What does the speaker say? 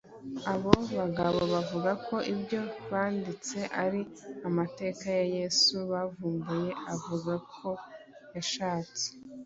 Abo bagabo bavuga ko ibyo banditse ari amateka ya Yesu bavumbuye avuga ko yashatse